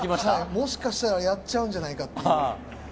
もしかしたらやっちゃうんじゃないかっていう。